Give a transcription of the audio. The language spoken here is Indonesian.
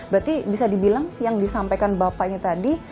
berarti bisa dibilang yang disampaikan bapak ini tadi